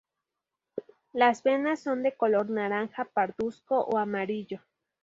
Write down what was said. Las venas son de color naranja pardusco o amarillo.